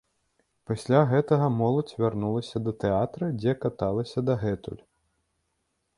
Пасля гэтага моладзь вярнулася да тэатра, дзе каталася дагэтуль.